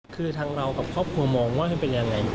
คือทางเรากับครอบครัวมองว่ามันเป็นยังไง